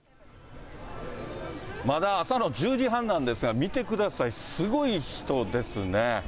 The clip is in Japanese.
まだ朝の１０時半なんですが、見てください、すごい人ですね。